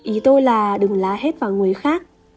ý tôi là đừng la hết vào người khác